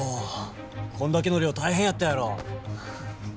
こんだけの量大変やったやろ。